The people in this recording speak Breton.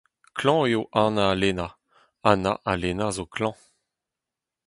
Klañv eo Anna ha Lena. Anna ha Lena zo klañv.